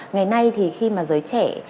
ngày nay thì khi mà giới trẻ